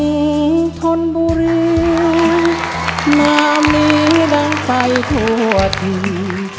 ดีทนบูเรียน้ามนี้ดังไปทั่วที